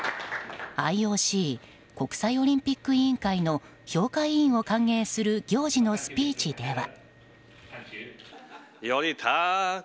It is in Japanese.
ＩＯＣ国際オリンピック委員会の評価委員を歓迎する行事のスピーチでは。